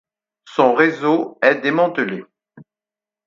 Son réseau est démantelé.